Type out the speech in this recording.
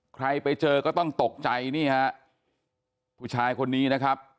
ใครไปเจอก็ต้องตกใจนี่ฮะผู้ชายคนนี้นะครับ